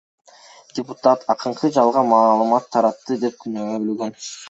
Депутат акынды жалган маалымат таратты деп күнөөлөгөн.